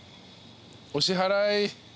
お支払い。